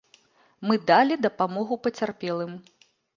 Мы далі дапамогу пацярпелым.